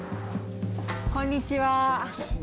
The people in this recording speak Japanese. こんにちは。